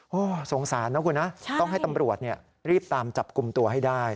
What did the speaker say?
โอ้โหสงสารนะคุณนะต้องให้ตำรวจรีบตามจับกลุ่มตัวให้ได้